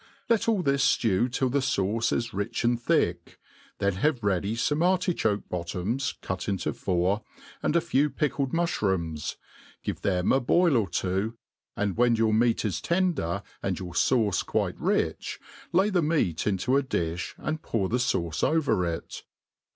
Let all this ftew till the fauce is rich and thick ; then have ready fome arti cfapke bottoms cut into four, and a few pickled mufhrooms, give them a boil or two, ahd when yptir meat is tender, and your fauce quite rich, ]ay> the meat into a diih and pour the fauce over it..